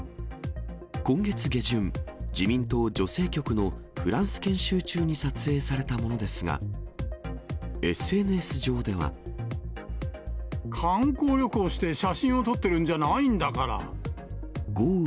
今月下旬、自民党女性局のフランス研修中に撮影されたものですが、ＳＮＳ上観光旅行して写真を撮ってる豪雨